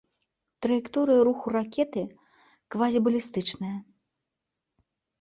Траекторыя руху ракеты квазібалістычная.